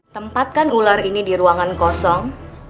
tempatkan ular ini di ruangan kosong